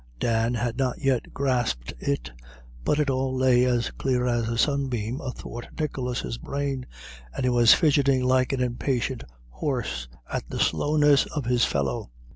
Dan had not yet grasped it, but it all lay as clear as a sunbeam athwart Nicholas's brain, and he was fidgeting like an impatient horse at the slowness of his fellow.